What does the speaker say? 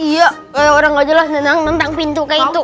iya orang gak jelas nendang nendang pintu kayak itu